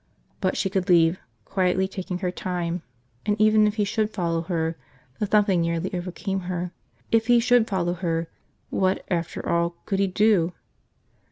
But she could leave, quietly taking her time, and even if he should follow her – the thumping nearly overcame her – if he should follow her, what, after all, could he do?